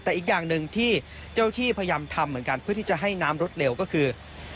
แต่อีกอย่างหนึ่งที่เจ้าที่พยายามทำเหมือนกันเพื่อที่จะให้น้ำลดเร็วก็คือ